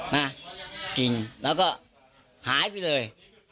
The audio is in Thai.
นะกินแล้วก็หายไปเลย